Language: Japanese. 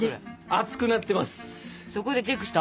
熱くなってます。